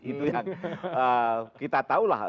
itu yang kita tahulah